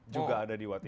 juga ada di watim pres